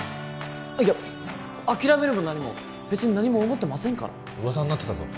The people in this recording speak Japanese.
いや諦めるも何も別に何も思ってませんから噂になってたぞ